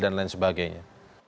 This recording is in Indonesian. dan lain sebagainya